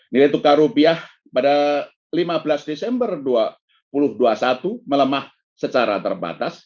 nilai tukar rupiah pada lima belas desember dua ribu dua puluh satu melemah secara terbatas